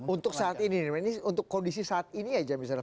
untuk saat ini ini untuk kondisi saat ini aja misalnya